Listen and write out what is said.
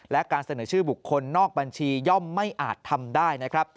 และการเสนอชื่อบุคคลนอกบัญชีย่อมไม่อาจทำได้นะครับ